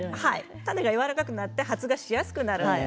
種がやわらかくなって発芽しやすくなります。